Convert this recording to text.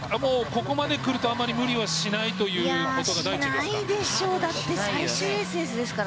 ここまで来るとあまり無理はしないということが第一ですか？